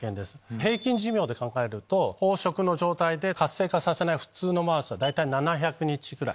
平均寿命で考えると飽食の状態で活性化させない普通のマウスは大体７００日ぐらい。